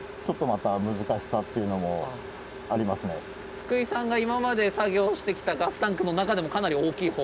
福井さんが今まで作業してきたガスタンクの中でもかなり大きい方？